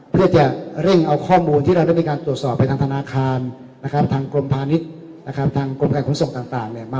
เพื่อจะเร่งเอาข้อมูลที่เราได้มีการตรวจสอบไปทางธนาคารทางกรมภาณิชย์ทางกรมแข่งขุมส่งต่างมาประกอบกัน